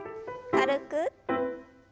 軽く。